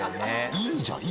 いいじゃん。